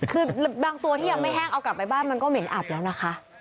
คือบางตัวที่ยังไม่แห้งเอากลับไปบ้านมันก็เหม็นอับแล้วนะคะ